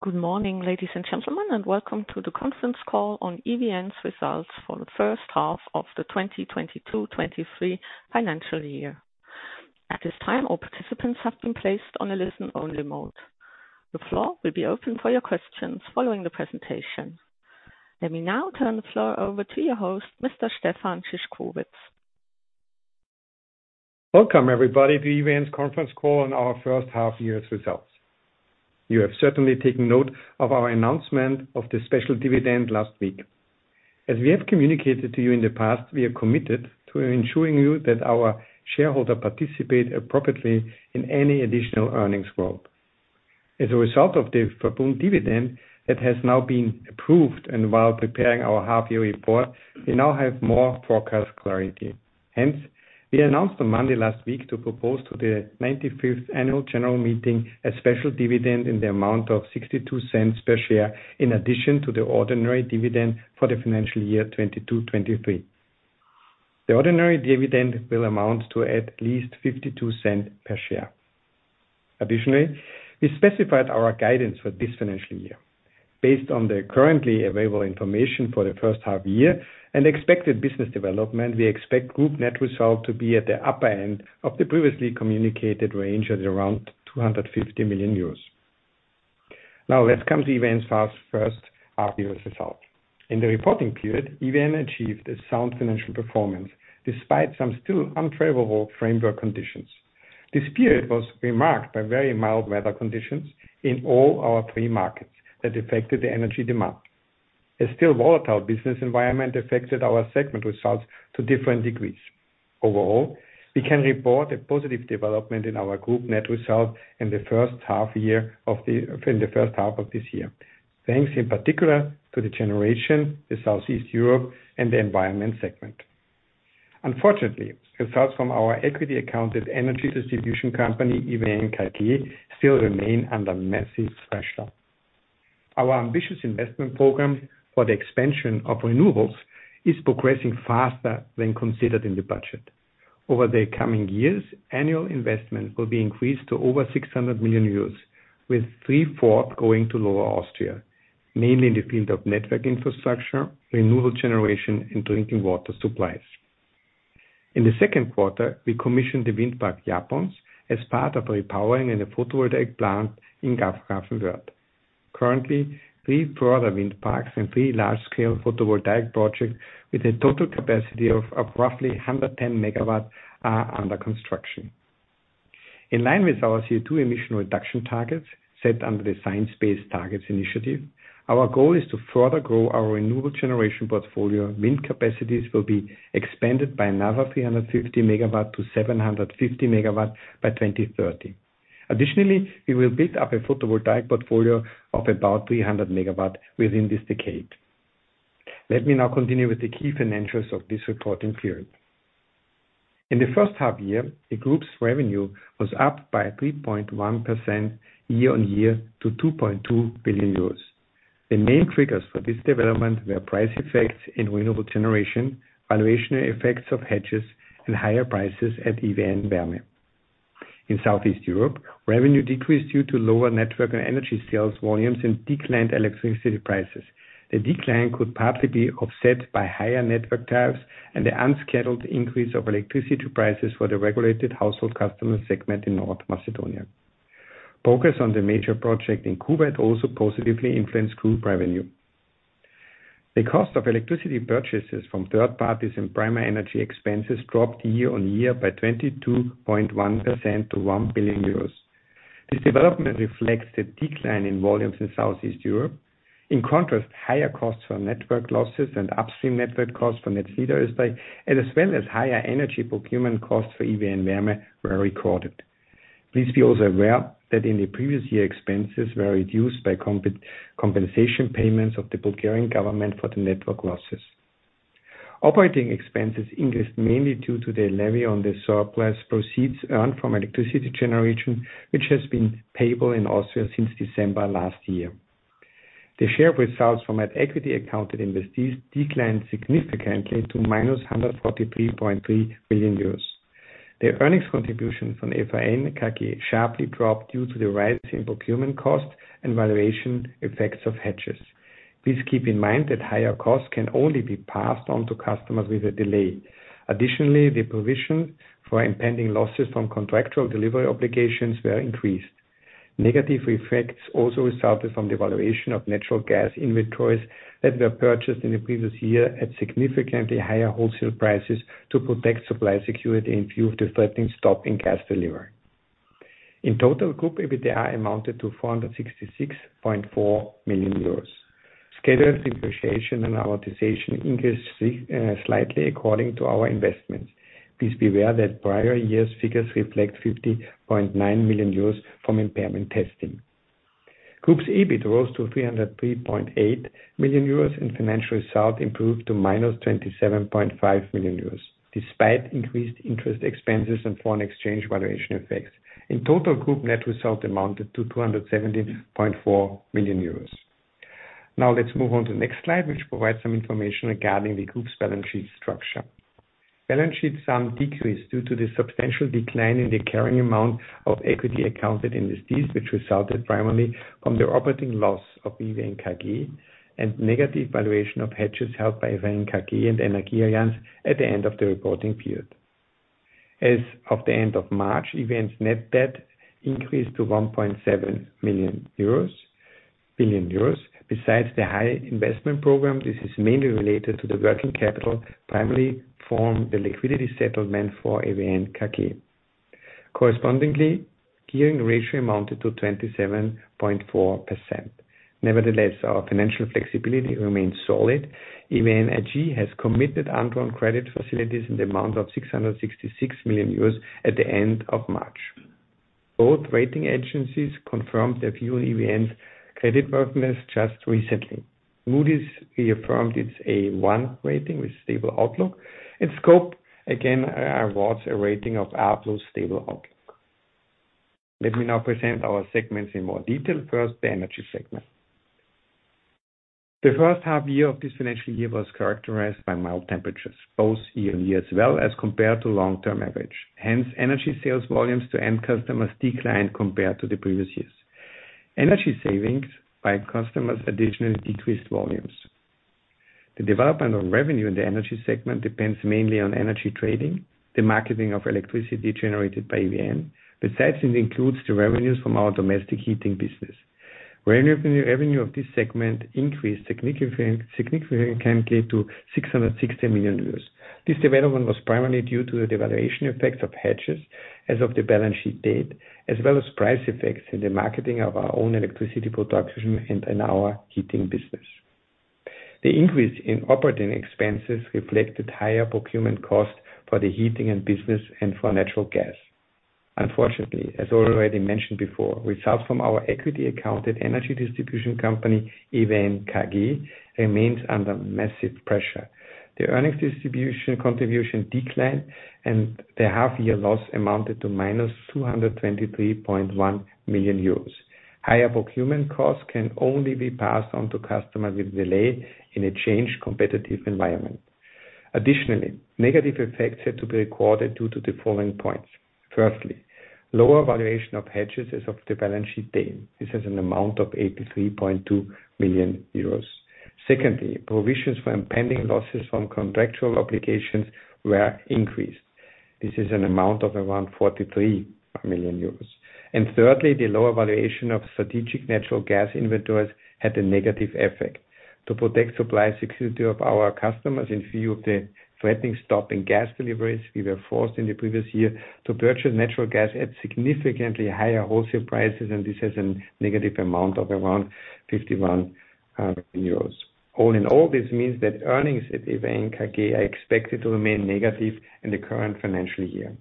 Good morning, ladies and gentlemen, welcome to the conference call on EVN's results for the first half of the 2022/2023 financial year. At this time, all participants have been placed on a listen-only mode. The floor will be open for your questions following the presentation. Let me now turn the floor over to your host, Mr. Stefan Szyszkowitz. Welcome, everybody, to EVN's conference call on our first half year's results. You have certainly taken note of our announcement of the special dividend last week. As we have communicated to you in the past, we are committed to ensuring you that our shareholder participate appropriately in any additional earnings growth. As a result of the proposed dividend that has now been approved and while preparing our half year report, we now have more forecast clarity. Hence, we announced on Monday last week to propose to the 95th Annual General Meeting, a special dividend in the amount of 0.62 per share, in addition to the ordinary dividend for the financial year 2022/2023. The ordinary dividend will amount to at least 0.52 per share. Additionally, we specified our guidance for this financial year. Based on the currently available information for the first half year and expected business development, we expect group net result to be at the upper end of the previously communicated range at around 250 million euros. Let's come to EVN's first half year's result. In the reporting period, EVN achieved a sound financial performance, despite some still unfavorable framework conditions. This period was remarked by very mild weather conditions in all our three markets that affected the energy demand. A still volatile business environment affected our segment results to different degrees. Overall, we can report a positive development in our group net result in the first half of this year, thanks in particular to the generation, the Southeast Europe, and the environment segment. Unfortunately, results from our equity accounted energy distribution company, EVN KG, still remain under massive pressure. Our ambitious investment program for the expansion of renewables is progressing faster than considered in the budget. Over the coming years, annual investment will be increased to over 600 million euros, with three-fourth going to Lower Austria, mainly in the field of network infrastructure, renewable generation, and drinking water supplies. In the second quarter, we commissioned the Windpark Japons as part of repowering in a photovoltaic plant in Grafenwörth. Currently, three further wind parks and three large-scale photovoltaic projects with a total capacity of roughly 110 MW are under construction. In line with our CO₂ emission reduction targets, set under the Science Based Targets initiative, our goal is to further grow our renewable generation portfolio. Wind capacities will be expanded by another 350 MW to 750 MW by 2030. Additionally, we will build up a photovoltaic portfolio of about 300 MW within this decade. Let me now continue with the key financials of this reporting period. In the first half year, the group's revenue was up by 3.1% year-on-year to 2.2 billion euros. The main triggers for this development were price effects in renewable generation, valuation effects of hedges, and higher prices at EVN Wärme. In Southeast Europe, revenue decreased due to lower network and energy sales volumes and declined electricity prices. The decline could partly be offset by higher network tariffs and the unscheduled increase of electricity prices for the regulated household customer segment in North Macedonia. Focus on the major project in Cuba, it also positively influenced group revenue. The cost of electricity purchases from third parties and primary energy expenses dropped year-on-year by 22.1% to 1 billion euros. This development reflects the decline in volumes in Southeast Europe. In contrast, higher costs for network losses and upstream network costs for Netz NÖ, and as well as higher energy procurement costs for EVN Wärme were recorded. Please be also aware that in the previous year, expenses were reduced by compensation payments of the Bulgarian government for the network losses. Operating expenses increased mainly due to the levy on the surplus proceeds earned from electricity generation, which has been payable in Austria since December last year. The share of results from at equity accounted investees declined significantly to minus 143.3 billion euros. The earnings contribution from EVN KG sharply dropped due to the rise in procurement costs and valuation effects of hedges. Please keep in mind that higher costs can only be passed on to customers with a delay. Additionally, the provision for impending losses from contractual delivery obligations were increased. Negative effects also resulted from the valuation of natural gas inventories that were purchased in the previous year at significantly higher wholesale prices to protect supply security in view of the threatening stop in gas delivery. In total, group EBITDA amounted to 466.4 million euros. Scheduled depreciation and amortization increased slightly according to our investments. Please be aware that prior years' figures reflect 50.9 million euros from impairment testing. group's EBIT rose to 303.8 million euros, and financial result improved to minus 27.5 million euros, despite increased interest expenses and foreign exchange valuation effects. In total, group net result amounted to 217.4 million euros. Let's move on to the next slide, which provides some information regarding the group's balance sheet structure. Balance sheet sum decreased due to the substantial decline in the carrying amount of equity accounted industries, which resulted primarily from the operating loss of EVN KG and negative valuation of hedges held by EVN KG and ENERGIEALLIANZ at the end of the reporting period. As of the end of March, EVN's net debt increased to 1.7 billion euros. Besides the high investment program, this is mainly related to the working capital, primarily from the liquidity settlement for EVN KG. Correspondingly, gearing ratio amounted to 27.4%. Our financial flexibility remains solid. EVN AG has committed undrawn credit facilities in the amount of 666 million euros at the end of March. Both rating agencies confirmed their view on EVN's credit worthiness just recently. Moody's reaffirmed its A1 rating with stable outlook, and Scope again, awards a rating of outlook, stable outlook. Let me now present our segments in more detail. First, the energy segment. The first half year of this financial year was characterized by mild temperatures, both year-on-year, as well as compared to long-term average. Hence, energy sales volumes to end customers declined compared to the previous years. Energy savings by customers, additionally, decreased volumes. The development of revenue in the energy segment depends mainly on energy trading, the marketing of electricity generated by EVN. Besides, it includes the revenues from our domestic heating business. Revenue of this segment increased significantly to 660 million euros. This development was primarily due to the devaluation effects of hedges as of the balance sheet date, as well as price effects in the marketing of our own electricity production and in our heating business. The increase in operating expenses reflected higher procurement costs for the heating and business and for natural gas. Unfortunately, as already mentioned before, results from our equity accounted energy distribution company, EVN KG, remains under massive pressure. The earnings distribution contribution declined, and the half year loss amounted to minus 223.1 million euros. Higher procurement costs can only be passed on to customers with delay in a changed competitive environment. Additionally, negative effects had to be recorded due to the following points: firstly, lower valuation of hedges as of the balance sheet date. This is an amount of 83.2 million euros. Secondly, provisions for impending losses from contractual obligations were increased. This is an amount of around 43 million euros. Thirdly, the lower valuation of strategic natural gas inventories had a negative effect. To protect supply security of our customers in view of the threatening stopping gas deliveries, we were forced in the previous year to purchase natural gas at significantly higher wholesale prices, and this has a negative amount of around 51 euros. All in all, this means that earnings at EVN KG are expected to remain negative in the current financial year.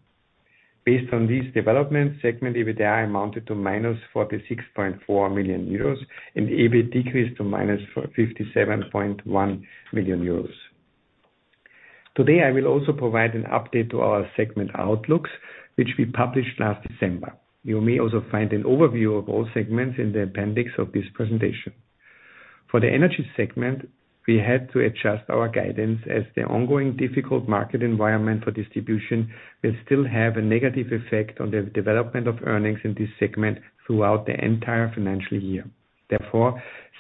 Based on these developments, segment EBITDA amounted to minus 46.4 million euros, and EBIT decreased to minus for 57.1 million euros. Today, I will also provide an update to our segment outlooks, which we published last December. You may also find an overview of all segments in the appendix of this presentation. For the energy segment, we had to adjust our guidance as the ongoing difficult market environment for distribution will still have a negative effect on the development of earnings in this segment throughout the entire financial year.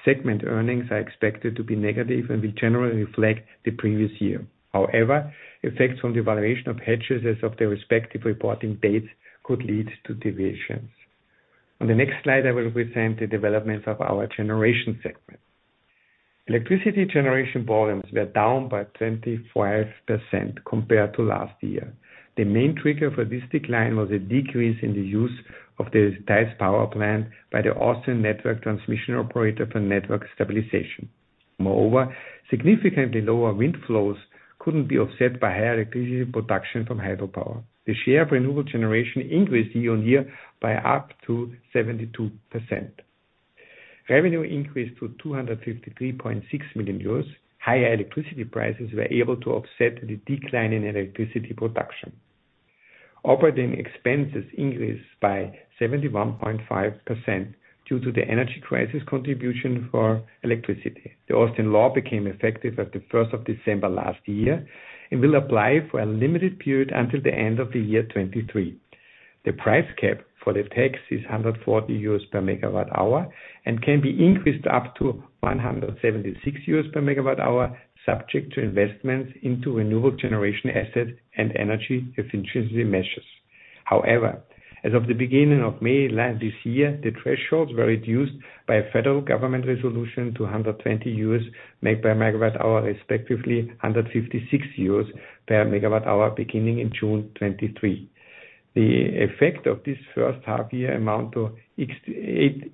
Segment earnings are expected to be negative and will generally reflect the previous year. Effects on the valuation of hedges as of their respective reporting dates could lead to deviations. On the next slide, I will present the developments of our generation segment. Electricity generation volumes were down by 25% compared to last year. The main trigger for this decline was a decrease in the use of the Theiß power plant by the Austrian Network Transmission operator for network stabilization. Significantly lower wind flows couldn't be offset by higher electricity production from hydropower. The share of renewable generation increased year-on-year by up to 72%. Revenue increased to 253.6 million euros. Higher electricity prices were able to offset the decline in electricity production. Operating expenses increased by 71.5% due to the Energy Crisis Contribution - Electricity. The Austrian law became effective at the 1st of December last year and will apply for a limited period until the end of the year 2023. The price cap for the tax is 140 euros per MWh and can be increased up to 176 euros per MWh, subject to investments into renewable generation assets and energy efficiency measures. As of the beginning of May last this year, the thresholds were reduced by a federal government resolution to 120 euros per MWh, respectively, 156 euros per MWh, beginning in June 2023. The effect of this first half year amount to 18.5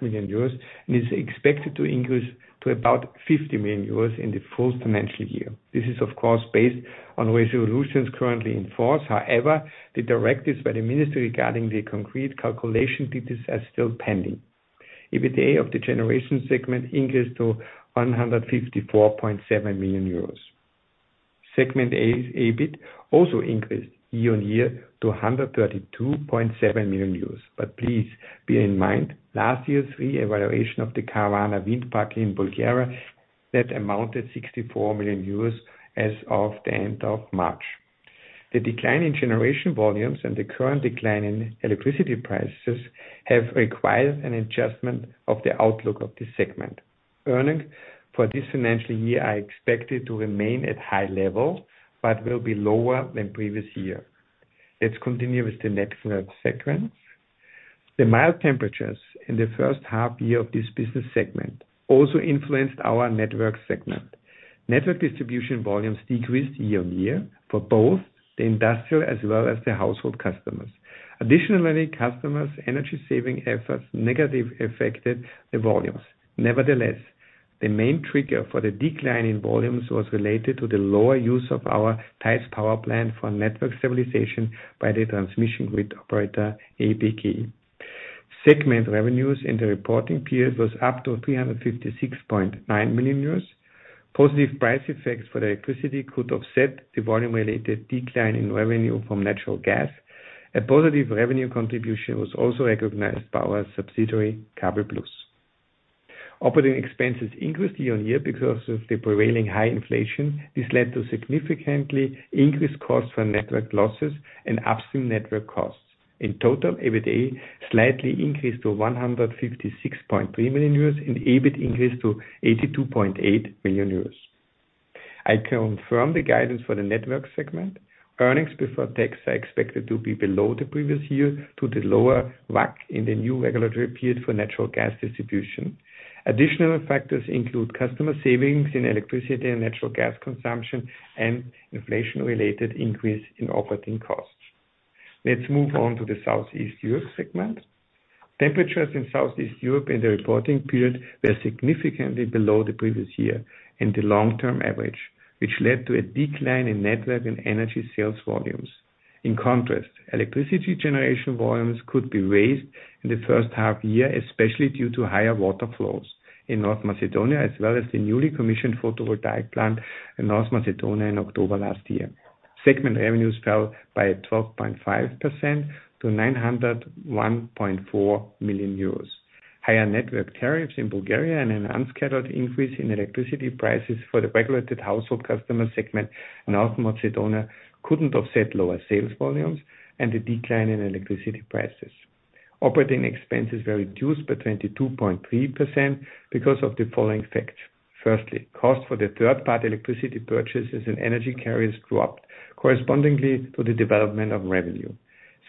million euros and is expected to increase to about 50 million euros in the full financial year. This is, of course, based on resolutions currently in force. The directives by the ministry regarding the concrete calculation details are still pending. EBITDA of the generation segment increased to 154.7 million euros. Segment A, EBIT also increased year-on-year to 132.7 million euros. Please, bear in mind, last year's revaluation of the Kavarna wind park in Bulgaria, that amounted 64 million euros as of the end of March. The decline in generation volumes and the current decline in electricity prices have required an adjustment of the outlook of this segment. Earnings for this financial year are expected to remain at high level, will be lower than previous year. Let's continue with the network segment. The mild temperatures in the first half year of this business segment also influenced our network segment. Network distribution volumes decreased year-over-year for both the industrial as well as the household customers. Additionally, customers' energy saving efforts negatively affected the volumes. The main trigger for the decline in volumes was related to the lower use of our Theiß power plant for network stabilization by the transmission grid operator, APG. Segment revenues in the reporting period was up to 356.9 million euros. Positive price effects for the electricity could offset the volume-related decline in revenue from natural gas. A positive revenue contribution was also recognized by our subsidiary, kabelplus. Operating expenses increased year-over-year because of the prevailing high inflation. This led to significantly increased costs for network losses and upstream network costs. In total, EBITDA slightly increased to 156.3 million euros, and EBIT increased to 82.8 million euros. I confirm the guidance for the network segment. Earnings before tax are expected to be below the previous year, due to lower WACC in the new regulatory period for natural gas distribution. Additional factors include customer savings in electricity and natural gas consumption and inflation-related increase in operating costs. Let's move on to the Southeast Europe segment. Temperatures in Southeast Europe in the reporting period were significantly below the previous year and the long-term average, which led to a decline in network and energy sales volumes. Electricity generation volumes could be raised in the first half year, especially due to higher water flows in North Macedonia, as well as the newly commissioned photovoltaic plant in North Macedonia in October last year. Segment revenues fell by 12.5% to 901.4 million euros. Higher network tariffs in Bulgaria and an unscheduled increase in electricity prices for the regulated household customer segment in North Macedonia, couldn't offset lower sales volumes and the decline in electricity prices. Operating expenses were reduced by 22.3% because of the following facts: cost for the third-party electricity purchases and energy carriers dropped correspondingly to the development of revenue.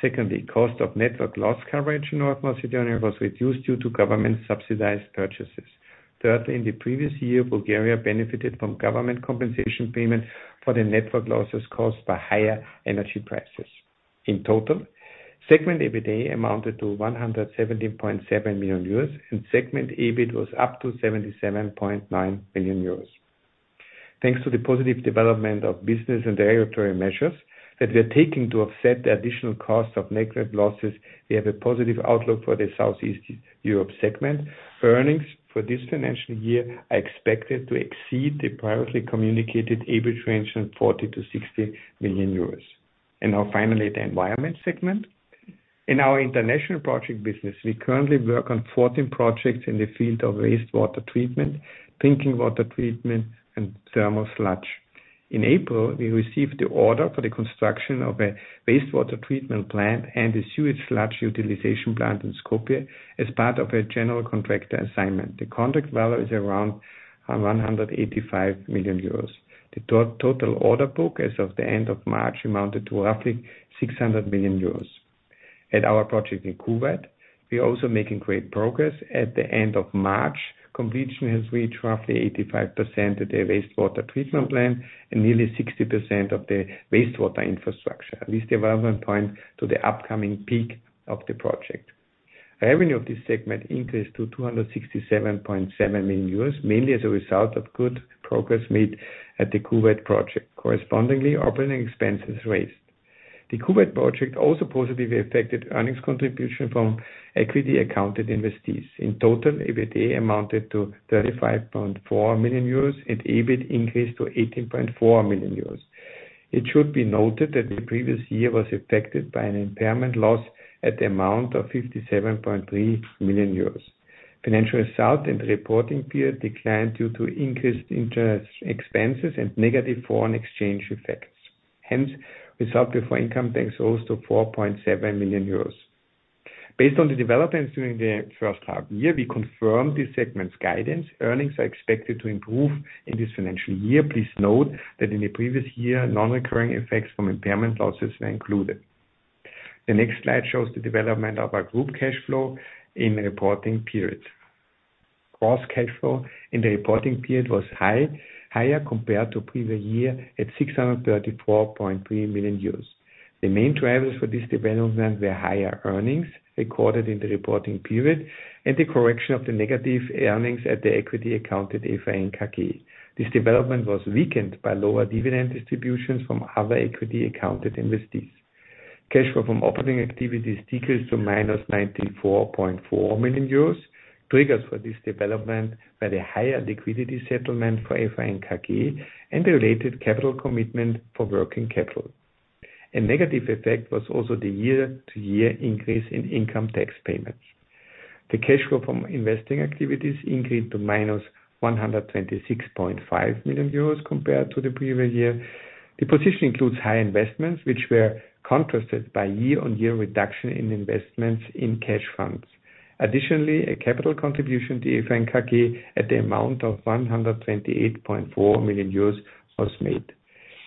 Secondly, cost of network loss coverage in North Macedonia was reduced due to government subsidized purchases. Thirdly, in the previous year, Bulgaria benefited from government compensation payments for the network losses caused by higher energy prices. In total, segment EBITDA amounted to 117.7 million euros, and segment EBIT was up to 77.9 million euros. Thanks to the positive development of business and the regulatory measures that we are taking to offset the additional cost of network losses, we have a positive outlook for the Southeast Europe segment. Earnings for this financial year are expected to exceed the privately communicated EBIT range from 40 million-60 million euros. Now finally, the environment segment. In our international project business, we currently work on 14 projects in the field of wastewater treatment, drinking water treatment, and thermal sludge. In April, we received the order for the construction of a wastewater treatment plant and a sewage sludge utilization plant in Skopje, as part of a general contractor assignment. The contract value is around 185 million euros. The total order book as of the end of March, amounted to roughly 600 million euros. At our project in Kuwait, we are also making great progress. At the end of March, completion has reached roughly 85% of the wastewater treatment plant and nearly 60% of the wastewater infrastructure. This development points to the upcoming peak of the project. Revenue of this segment increased to 267.7 million euros, mainly as a result of good progress made at the Kuwait project. Correspondingly, operating expenses raised. The Kuwait project also positively affected earnings contribution from equity accounted investees. In total, EBITDA amounted to 35.4 million euros, and EBIT increased to 18.4 million euros. It should be noted that the previous year was affected by an impairment loss at the amount of 57.3 million euros. Financial result and reporting period declined due to increased interest expenses and negative foreign exchange effects. Result before income tax rose to 4.7 million euros. Based on the developments during the first half year, we confirmed this segment's guidance. Earnings are expected to improve in this financial year. Please note that in the previous year, non-recurring effects from impairment losses were included. The next slide shows the development of our group cash flow in the reporting period. Gross cash flow in the reporting period was high, higher compared to previous year, at 634.3 million euros. The main drivers for this development were higher earnings recorded in the reporting period and the correction of the negative earnings at the equity accounted EVN KG. This development was weakened by lower dividend distributions from other equity accounted investees. Cash flow from operating activities decreased to minus 94.4 million euros. Triggers for this development were the higher liquidity settlement for EVN KG, and the related capital commitment for working capital. A negative effect was also the year-to-year increase in income tax payments. The cash flow from investing activities increased to minus 126.5 million euros compared to the previous year. The position includes high investments, which were contrasted by year-on-year reduction in investments in cash funds. A capital contribution to EVN KG at the amount of 128.4 million euros was made.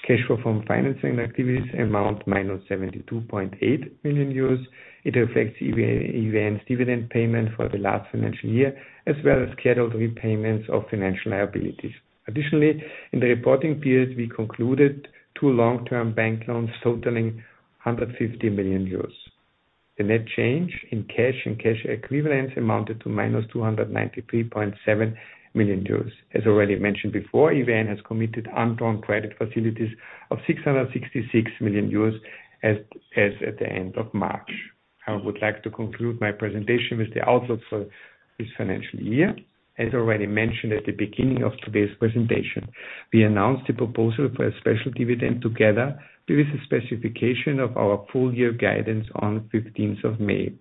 Cash flow from financing activities amount minus 72.8 million euros. It affects EVN's dividend payment for the last financial year, as well as scheduled repayments of financial liabilities. Additionally, in the reporting period, we concluded two long-term bank loans totaling 150 million euros. The net change in cash and cash equivalents amounted to minus 293.7 million euros. As already mentioned before, EVN has committed undrawn credit facilities of 666 million euros as at the end of March. I would like to conclude my presentation with the outlook for this financial year. As already mentioned at the beginning of today's presentation, we announced a proposal for a special dividend together with the specification of our full year guidance on 15th of May.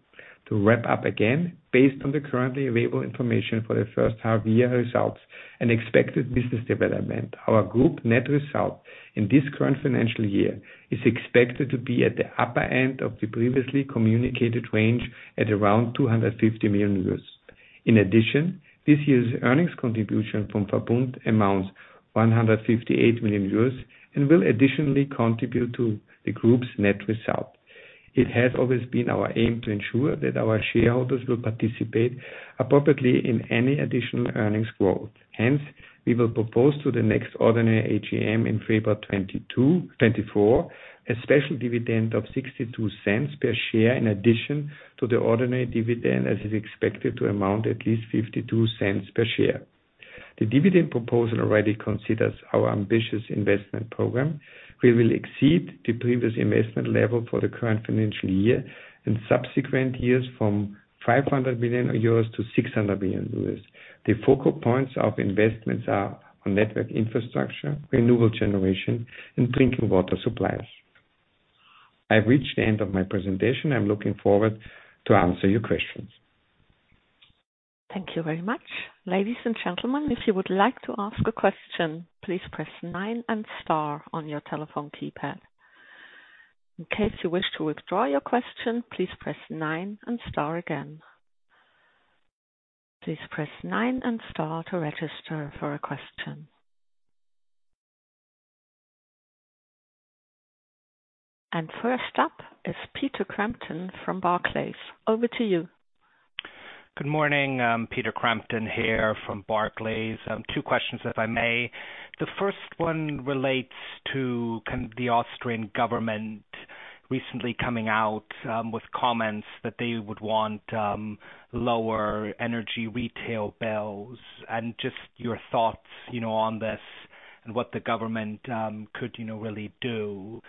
To wrap up again, based on the currently available information for the first half year results and expected business development, our group net result in this current financial year is expected to be at the upper end of the previously communicated range at around 250 million euros. In addition, this year's earnings contribution from Verbund amounts 158 million euros, and will additionally contribute to the group's net result. It has always been our aim to ensure that our shareholders will participate appropriately in any additional earnings growth. Hence, we will propose to the next ordinary AGM in February 22, 2024, a special dividend of 0.62 per share, in addition to the ordinary dividend, as is expected to amount at least 0.52 per share. The dividend proposal already considers our ambitious investment program. We will exceed the previous investment level for the current financial year and subsequent years from 500 billion euros to 600 billion euros. The focal points of investments are on network infrastructure, renewable generation, and drinking water suppliers. I've reached the end of my presentation. I'm looking forward to answer your questions. Thank you very much. Ladies and gentlemen, if you would like to ask a question, please press nine and star on your telephone keypad. In case you wish to withdraw your question, please press nine and star again. Please press nine and star to register for a question. First up is Peter Crampton from Barclays. Over to you. Good morning, Peter Crampton here from Barclays. Two questions, if I may. The first one relates to the Austrian government recently coming out with comments that they would want lower energy retail bills, and just your thoughts, you know, on this and what the government could, you know, really do.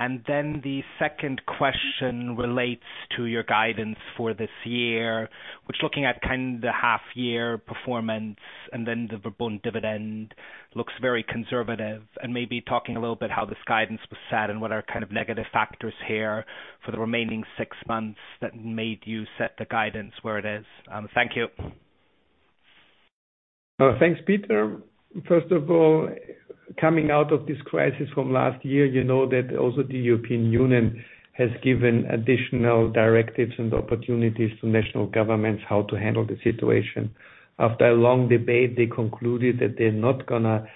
The second question relates to your guidance for this year, which looking at kind of the half year performance and then the Verbund dividend, looks very conservative, and maybe talking a little bit how this guidance was set and what are kind of negative factors here for the remaining 6 months that made you set the guidance where it is? Thank you. Thanks, Peter. First of all, coming out of this crisis from last year, you know that also the European Union has given additional directives and opportunities to national governments how to handle the situation. After a long debate, they concluded that they're not gonna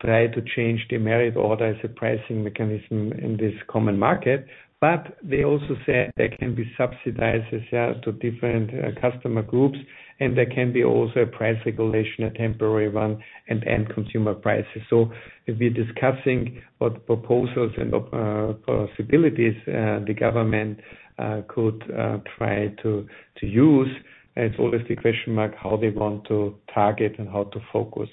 try to change the merit order as a pricing mechanism in this common market, but they also said there can be subsidies, yeah, to different customer groups, and there can be also a price regulation, a temporary one, and end consumer prices. If we're discussing what proposals and possibilities the government could try to use, it's always the question mark, how they want to target and how to focus.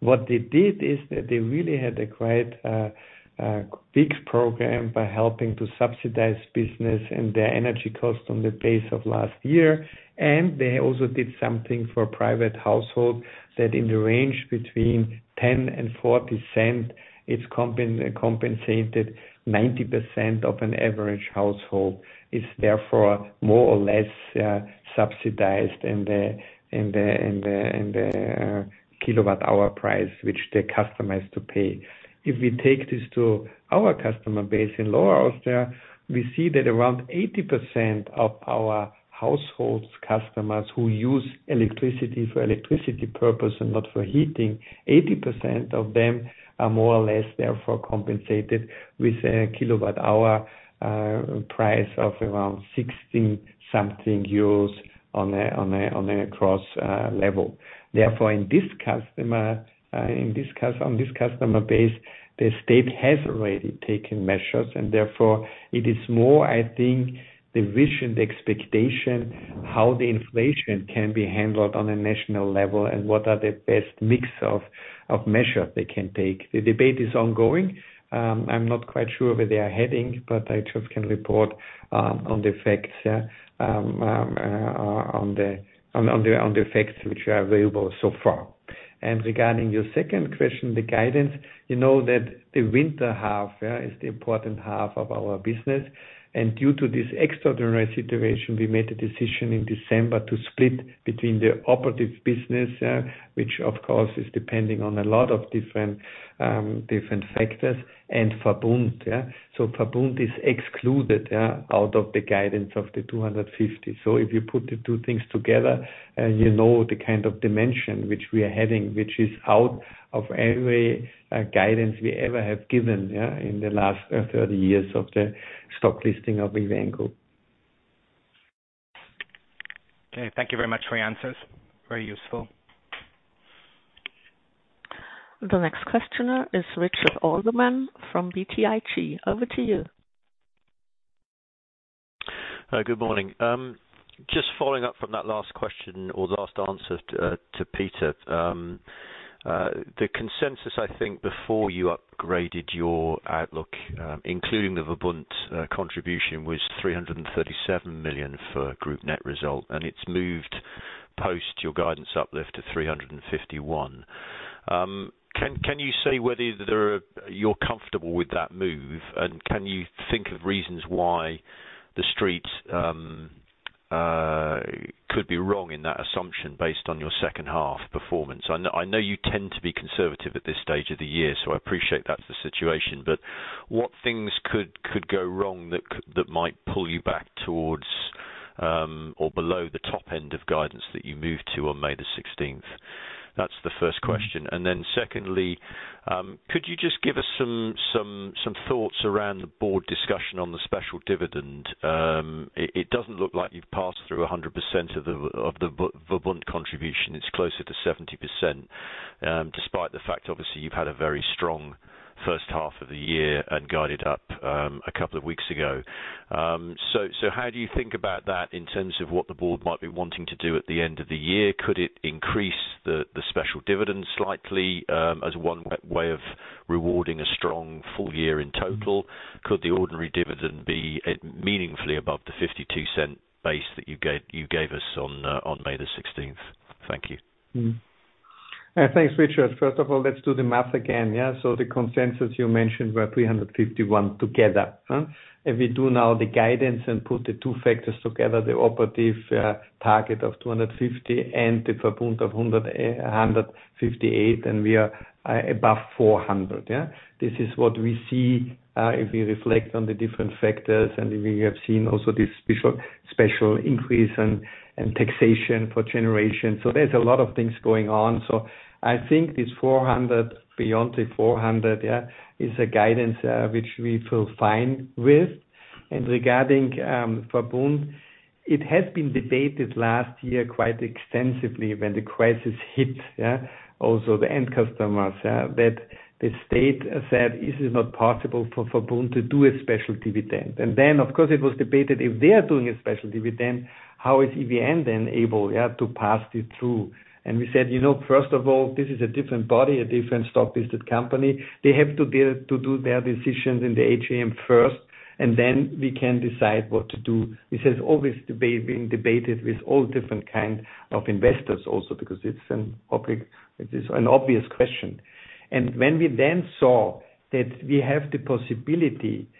What they did is that they really had a quite big program by helping to subsidize business and their energy costs on the base of last year. They also did something for private households, that in the range between 0.10 and 0.40, it's compensated 90% of an average household, is therefore more or less subsidized in the kilowatt hour price, which the customers to pay. If we take this to our customer base in Lower Austria, we see that around 80% of our households, customers who use electricity for electricity purpose and not for heating, 80% of them are more or less therefore compensated with a kilowatt hour price of around 16 euros something on a cross level. Therefore, in this customer, on this customer base, the state has already taken measures, and therefore it is more, I think, the vision, the expectation, how the inflation can be handled on a national level, and what are the best mix of measures they can take. The debate is ongoing. I'm not quite sure where they are heading, but I just can report on the facts which are available so far. Regarding your second question, the guidance, you know that the winter half is the important half of our business, and due to this extraordinary situation, we made a decision in December to split between the operative business, which of course, is depending on a lot of different factors, and Verbund. Verbund is excluded, yeah, out of the guidance of the 250. If you put the two things together, you know the kind of dimension which we are having, which is out of every guidance we ever have given, yeah, in the last 30 years of the stock listing of EVN Group. Okay, thank you very much for your answers. Very useful. The next questioner is Richard Alderman from BTIG. Over to you. Good morning. Just following up from that last question or last answer to Peter. The consensus, I think, before you upgraded your outlook, including the Verbund contribution, was 337 million for group net result, and it's moved post your guidance uplift to 351. Can you say whether you're comfortable with that move, and can you think of reasons why the streets could be wrong in that assumption based on your second half performance? I know you tend to be conservative at this stage of the year, so I appreciate that's the situation. What things could go wrong that might pull you back towards or below the top end of guidance that you moved to on May the 16th? That's the first question. Secondly, could you just give us some thoughts around the board discussion on the special dividend? It doesn't look like you've passed through 100% of the Verbund contribution. It's closer to 70%, despite the fact, obviously, you've had a very strong first half of the year and guided up a couple of weeks ago. How do you think about that in terms of what the board might be wanting to do at the end of the year? Could it increase the special dividend slightly, as one way of rewarding a strong full year in total? Could the ordinary dividend be at meaningfully above the 0.52 base that you gave us on May 16th? Thank you. Thanks, Richard. First of all, let's do the math again, yeah? The consensus you mentioned were 351 together, huh? If we do now the guidance and put the two factors together, the operative target of 250, and the Verbund of 158, and we are above 400, yeah? This is what we see, if we reflect on the different factors, and we have seen also this special increase in taxation for generation. There's a lot of things going on. I think this 400, beyond the 400, yeah, is a guidance which we feel fine with. Regarding Verbund, it has been debated last year quite extensively when the crisis hit, yeah, also the end customers, that the state said, this is not possible for Verbund to do a special dividend. Then, of course, it was debated, if they are doing a special dividend, how is EVN then able, yeah, to pass it through? We said, "You know, first of all, this is a different body, a different stock-listed company. They have to do their decisions in the AGM first, and then we can decide what to do." This is always being debated with all different kind of investors also, because it's an topic, it is an obvious question. When we then saw that we have the possibility to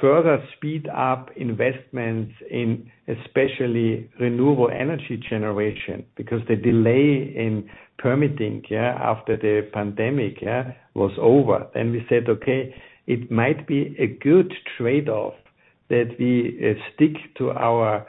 further speed up investments in especially renewable energy generation, because the delay in permitting after the pandemic was over. We said, "Okay, it might be a good trade-off that we stick to our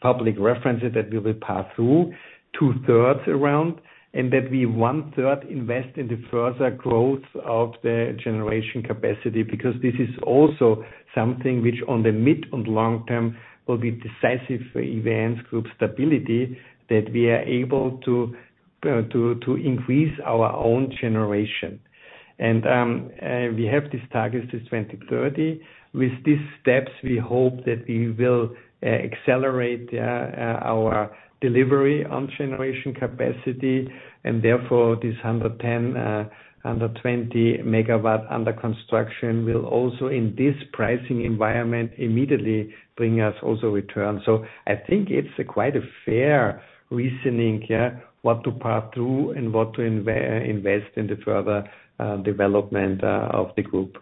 public references that we will pass through two-thirds around, and that we one-third invest in the further growth of the generation capacity," because this is also something which on the mid and long term will be decisive for EVN Group's stability, that we are able to increase our own generation. We have this target to 2030. With these steps, we hope that we will accelerate our delivery on generation capacity, and therefore, this 110 MW-120 MW under construction will also, in this pricing environment, immediately bring us also return. I think it's quite a fair reasoning, yeah, what to pass through and what to invest in the further development of the group.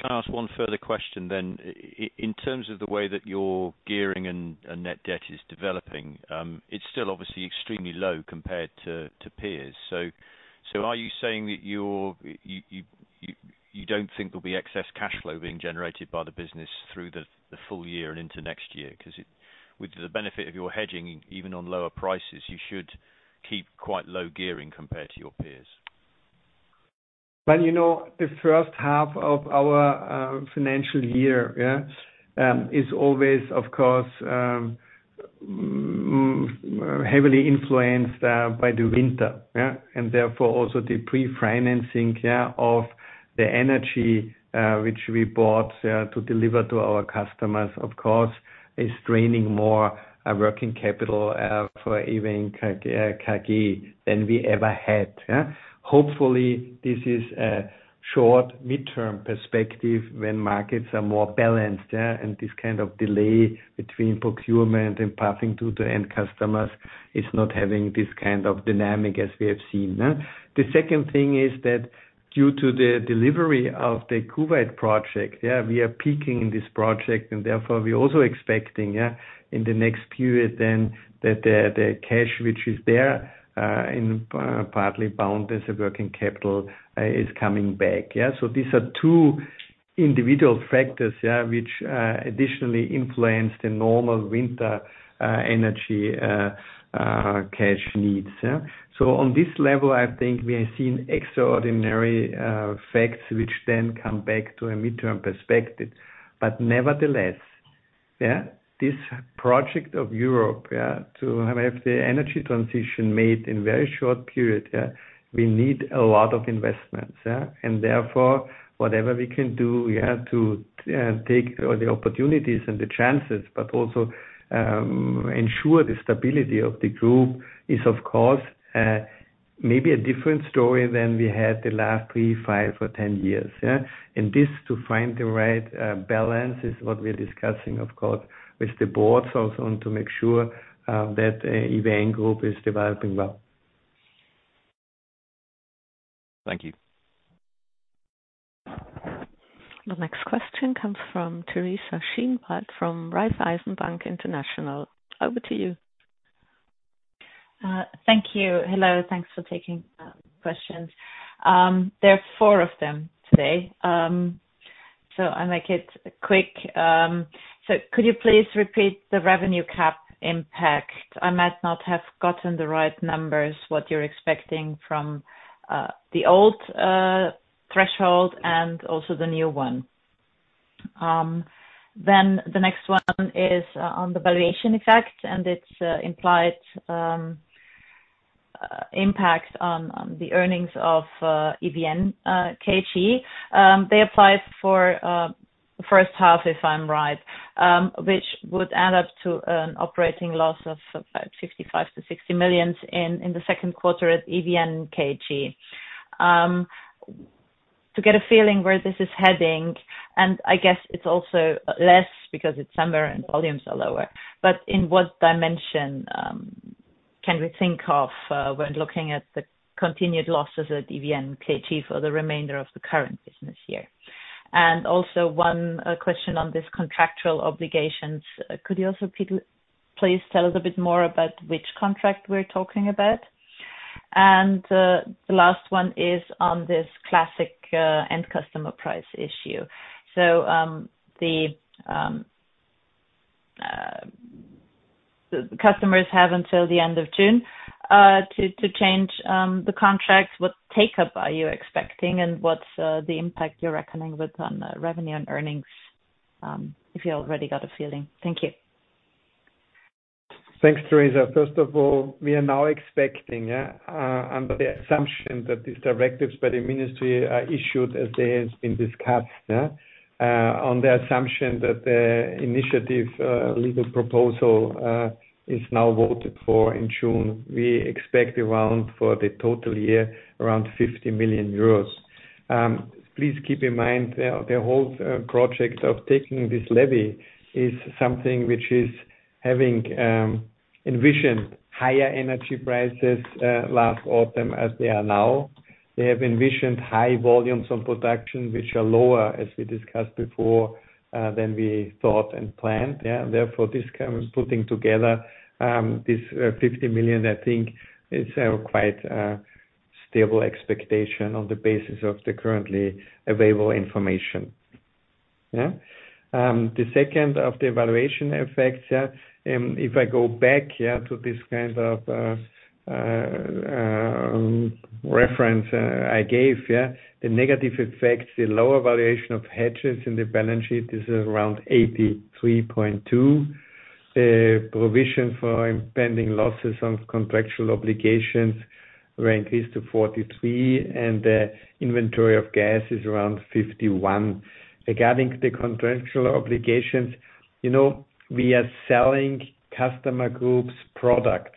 Can I ask one further question then? In terms of the way that your gearing and net debt is developing, it's still obviously extremely low compared to peers. Are you saying that you don't think there'll be excess cash flow being generated by the business through the full year and into next year? With the benefit of your hedging, even on lower prices, you should keep quite low gearing compared to your peers. Well, you know, the first half of our financial year, is always, of course, heavily influenced by the winter, yeah? Therefore, also the pre-financing, yeah, of the energy, which we bought to deliver to our customers, of course, is straining more working capital for EVN than we ever had, yeah. Hopefully, this is a short, midterm perspective when markets are more balanced, yeah, and this kind of delay between procurement and passing to the end customers is not having this kind of dynamic as we have seen, yeah. The second thing is that due to the delivery of the Kuwait project, yeah, we are peaking in this project, and therefore, we're also expecting, yeah, in the next period, then, that the cash, which is there, in partly bound as a working capital, is coming back. Yeah. These are two individual factors, yeah, which additionally influence the normal winter energy cash needs, yeah. On this level, I think we have seen extraordinary facts, which then come back to a midterm perspective. Nevertheless, yeah, this project of Europe, yeah, to have the energy transition made in very short period, yeah, we need a lot of investments, yeah. Whatever we can do, we have to take all the opportunities and the chances, but also ensure the stability of the group is, of course, maybe a different story than we had the last three, five, or ten years, yeah. To find the right balance, is what we're discussing, of course, with the boards, also, to make sure that EVN Group is developing well. Thank you. The next question comes from Teresa Schinwald, from Raiffeisen Bank International. Over to you. Thank you. Hello, thanks for taking questions. There are four of them today, I'll make it quick. Could you please repeat the revenue cap impact? I might not have gotten the right numbers, what you're expecting from the old threshold and also the new one. The next one is on the valuation effect, and it's implied impact on the earnings of EVN KG. They applied for the first half, if I'm right, which would add up to an operating loss of about 65 million-60 million in the second quarter at EVN KG. To get a feeling where this is heading, and I guess it's also less because it's summer and volumes are lower. In what dimension can we think of when looking at the continued losses at EVN KG for the remainder of the current business year? Also one question on this contractual obligations. Could you also please tell us a bit more about which contract we're talking about? The last one is on this classic end customer price issue. The customers have until the end of June to change the contracts. What take up are you expecting, and what's the impact you're reckoning with on revenue and earnings if you already got a feeling? Thank you. Thanks, Teresa. First of all, we are now expecting, under the assumption that these directives by the ministry are issued, as has been discussed. On the assumption that the initiative legal proposal is now voted for in June, we expect around, for the total year, around 50 million euros. Please keep in mind, the whole project of taking this levy is something which is having envisioned higher energy prices last autumn, as they are now. They have envisioned high volumes of production, which are lower, as we discussed before, than we thought and planned. Yeah, therefore, this kind of putting together 50 million, I think, is quite a stable expectation on the basis of the currently available information. The second of the evaluation effects, if I go back to this kind of reference I gave, the negative effects, the lower valuation of hedges in the balance sheet is around 83.2. Provision for impending losses on contractual obligations were increased to 43, and the inventory of gas is around 51. Regarding the contractual obligations, you know, we are selling customer groups products,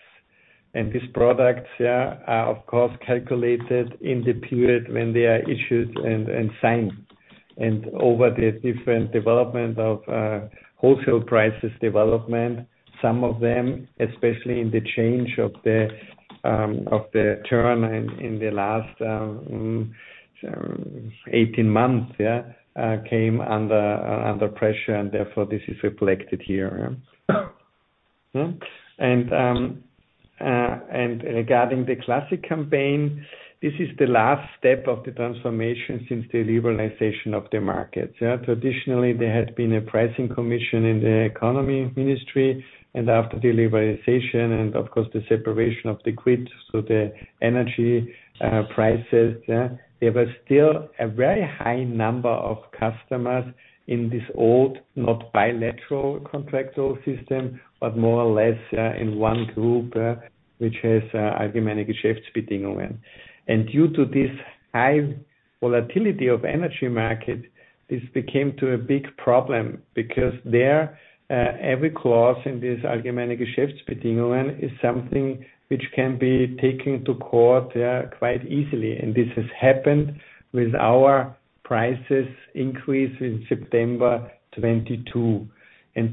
and these products are of course, calculated in the period when they are issued and signed. Over the different development of wholesale prices development, some of them, especially in the change of the term in the last 18 months, came under pressure, and therefore, this is reflected here. Regarding the classic campaign, this is the last step of the transformation since the liberalization of the market. Yeah. Traditionally, there had been a pricing commission in the economy ministry, and after the liberalization and, of course, the separation of the grid, so the energy prices, there were still a very high number of customers in this old, not bilateral contractual system, but more or less in one group, which has generally shift speeding. Due to this high volatility of energy market, this became to a big problem because there every clause in this Allgemeine Geschäftsbedingungen is something which can be taken to court quite easily, and this has happened with our prices increase in September 2022.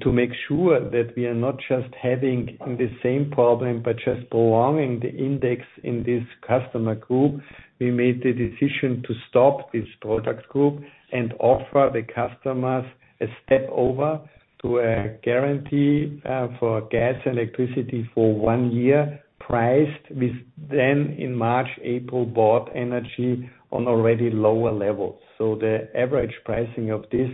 To make sure that we are not just having the same problem, but just prolonging the index in this customer group, we made the decision to stop this product group and offer the customers a step over to a guarantee for gas and electricity for one year, priced with then in March, April, bought energy on already lower levels. The average pricing of this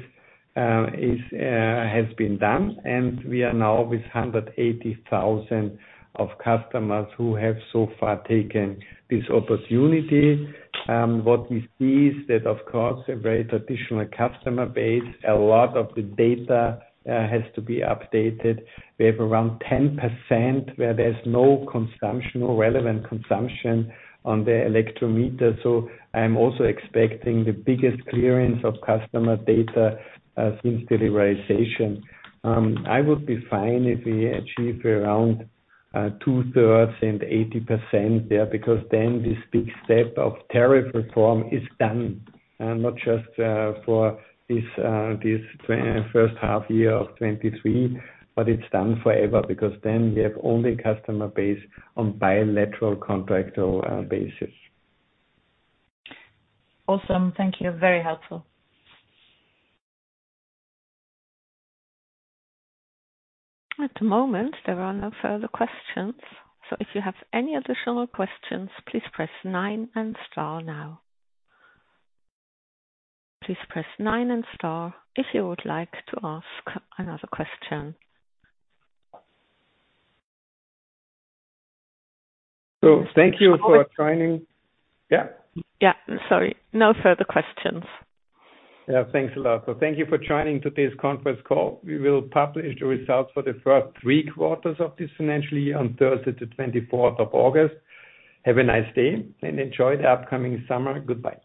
has been done, and we are now with 180,000 of customers who have so far taken this opportunity. What we see is that, of course, a very traditional customer base, a lot of the data has to be updated. We have around 10% where there's no consumption or relevant consumption on the electrometer. I'm also expecting the biggest clearance of customer data since liberalization. I would be fine if we achieve around 2/3 and 80% there, because then this big step of tariff reform is done. Not just for this first half year of 2023, but it's done forever, because then we have only customer base on bilateral contractual basis. Awesome. Thank you. Very helpful. At the moment, there are no further questions, so if you have any additional questions, please press nine and star now. Please press nine and star if you would like to ask another question. Thank you for joining. Yeah? Yeah, sorry. No further questions. Yeah, thanks a lot. Thank you for joining today's conference call. We will publish the results for the first three quarters of this financial year on Thursday, the 24th of August. Have a nice day, and enjoy the upcoming summer. Goodbye.